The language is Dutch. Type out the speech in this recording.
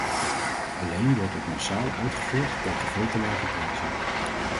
Alleen wordt het massaal uitgevoerd tegen veel te lagen prijzen.